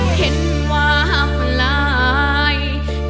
เห็นว่าหักไหล